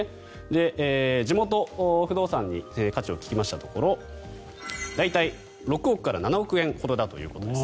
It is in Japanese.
地元不動産に価値を聞きましたところ大体、６億円から７億円ほどだということです。